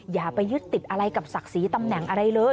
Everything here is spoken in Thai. อย่าไปยึดติดอะไรกับศักดิ์ศรีตำแหน่งอะไรเลย